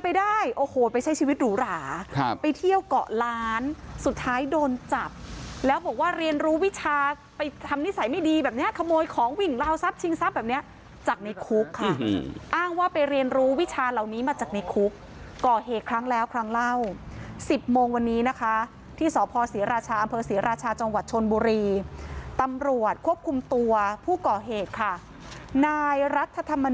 สุดท้ายโดนจับแล้วบอกว่าเรียนรู้วิชาไปทำนิสัยไม่ดีแบบนี้ขโมยของวิ่งราวทรัพย์ชิงทรัพย์แบบนี้จากในคุกค่ะอ้างว่าไปเรียนรู้วิชาเหล่านี้มาจากในคุกก่อเหตุครั้งแล้วครั้งเล่า๑๐โมงวันนี้นะคะที่สศรีราชาอำเภอศรีราชาจังหวัดชนบุรีตำรวจควบคุมตัวผู้ก่อเหตุค่ะนายรัฐธรรม